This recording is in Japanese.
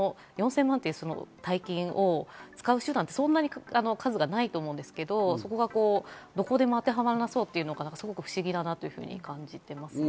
４０００万という大金を使う手段ってそんなに数がないと思うんですけど、そこがどこでも当てはまらなさそうっていうのが不思議だなと感じます。